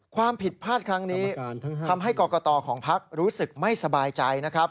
ความผิดพลาดครั้งนี้ทำให้กรกตของพักรู้สึกไม่สบายใจนะครับ